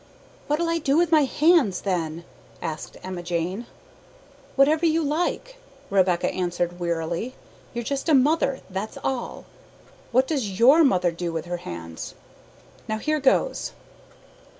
"What'll I do with my hands, then?" asked Emma Jane. "Whatever you like," Rebecca answered wearily; "you're just a mother that's all. What does YOUR mother do with her hands? Now here goes!